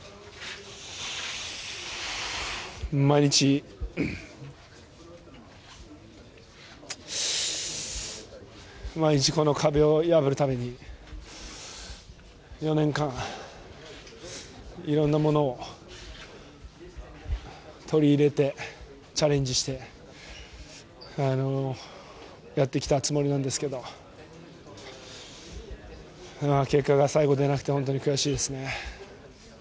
毎日、この壁を破るために４年間、いろんなものを取り入れて、チャレンジしてやってきたつもりなんですが結果が最後出なくて本当に悔しいです。